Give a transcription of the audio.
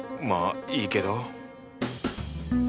まあいいけど。